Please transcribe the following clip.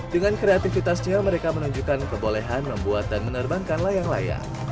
dengan kreativitasnya mereka menunjukkan kebolehan membuat dan menerbangkan layang layang